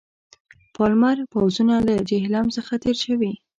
پالمر پوځونه له جیهلم څخه تېر شوي.